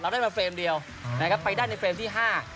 ได้มาเฟรมเดียวนะครับไปได้ในเฟรมที่ห้า